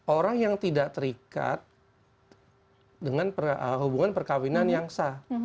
orang yang tidak terikat dengan hubungan perkawinan yang sah